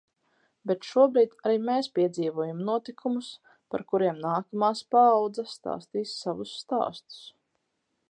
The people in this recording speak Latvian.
Bet šobrīd arī mēs piedzīvojam notikumus, par kuriem nākamās paaudze stāstīs savus stāstus.